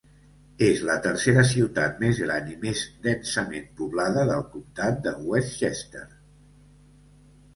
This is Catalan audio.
És la tercera ciutat més gran i més densament poblada del comtat de Westchester.